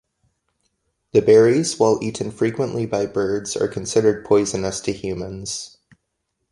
The berries, while eaten frequently by birds, are considered poisonous to humans.